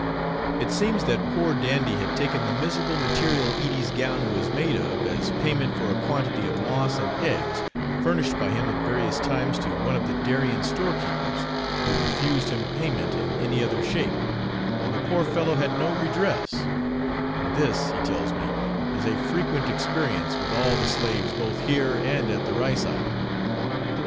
It seems that poor Dandy had taken the miserable material Edie's gown was made of as payment for a quantity of moss and eggs furnished by him at various times to one of the Darien storekeepers, who refused him payment in any other shape, and the poor fellow had no redress; and this, he tells me, is a frequent experience with all the slaves both here and at the rice island.